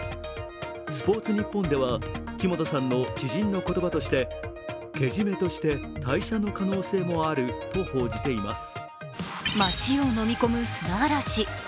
「スポーツニッポン」では木本さんの言葉としてけじめとして退社の可能性もあると報じています。